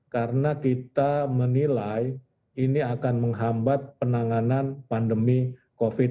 karena kita menilai ini akan menghambat penanganan pandemi covid sembilan belas